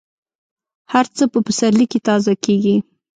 هر څه په پسرلي کې تازه کېږي.